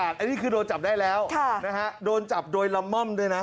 อันนี้คือโดนจับได้แล้วโดนจับโดยละม่อมด้วยนะ